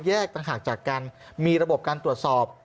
ต่างหากจากกันมีระบบการตรวจสอบ